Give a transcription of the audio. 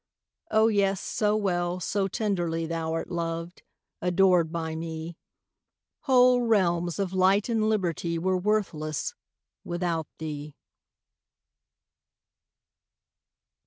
Oh, yes, so well, so tenderly Thou'rt loved, adored by me, Whole realms of light and liberty Were worthless without thee.